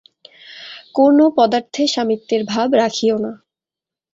কোন পদার্থে স্বামিত্বের ভাব রাখিও না।